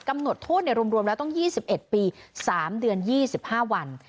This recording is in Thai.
กำหนดโทษรวมแล้วต้อง๒๑ปี๓เดือน๒๕วัน